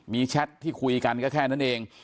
มีแชทที่คุยกันก็แค่นั้นเอง